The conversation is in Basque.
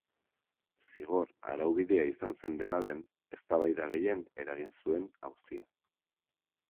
Zigor-araubidea izan zen, dena den, eztabaida gehien eragin zuen auzia.